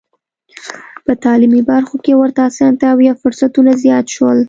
په تعلیمي برخو کې ورته اسانتیاوې او فرصتونه زیات شول.